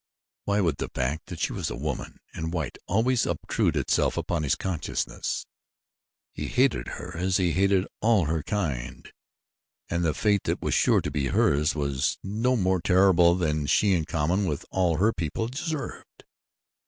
Why would the fact that she was a woman and white always obtrude itself upon his consciousness? He hated her as he hated all her kind, and the fate that was sure to be hers was no more terrible than she in common with all her people deserved.